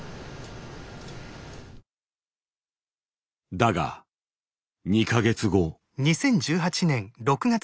だが２か月後。